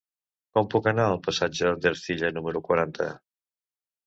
Com puc anar al passatge d'Ercilla número quaranta?